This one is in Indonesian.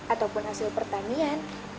ataupun hasil pertanian